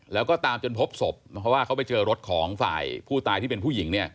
แล้วก็ตามจนพบศพเพราะว่าเขาไปเจอรถของฝ่ายผู้ตายที่เป็นผู้หญิงเนี่ย